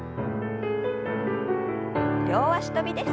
両脚跳びです。